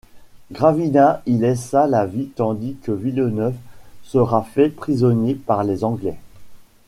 Gravina y laissa la vie tandis que Villeneuve sera fait prisonnier par les Anglais.